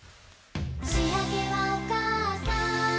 「しあげはおかあさん」